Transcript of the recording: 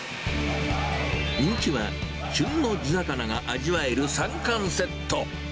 人気は旬の地魚が味わえる３貫セット。